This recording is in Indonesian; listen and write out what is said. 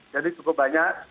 jadi cukup banyak